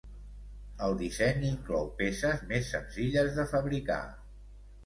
El disseny inclou peces més senzilles de fabricar.